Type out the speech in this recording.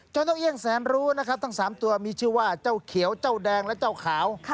นกเอี่ยงแสนรู้นะครับทั้ง๓ตัวมีชื่อว่าเจ้าเขียวเจ้าแดงและเจ้าขาว